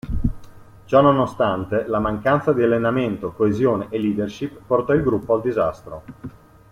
Ciononostante, la mancanza di allenamento, coesione e leadership portò il gruppo al disastro.